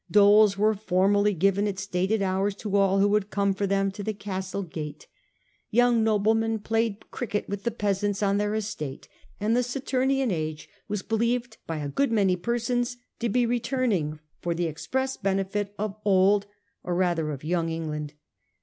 Doles were formally given at stated hours to all who would come for them to the castle gate. 1841 6 .' YOUNG ENGLAND.' 829 Young noblemen played cricket with the peasants on their estate, and the Saturnian age was believed by a good many persons to be returning for the express benefit of Old, or rather of Young, England.